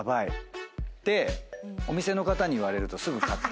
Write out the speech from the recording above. てお店の方に言われると。